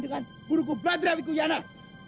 dengan guru kubra dapikun jelen